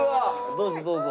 どうぞどうぞ。